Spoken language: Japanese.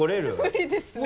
無理ですね